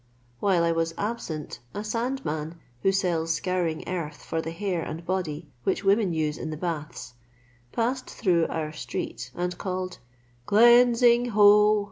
While I was absent, a sandman, who sells scouring earth for the hair and body, which women use in the baths, passed through our street, and called, "Cleansing, ho!"